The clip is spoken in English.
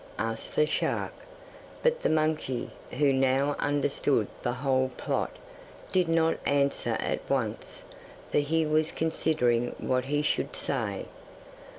asked the shark; but the monkey, who now understood the whole plot, did not answer at once, for he was considering what he should say.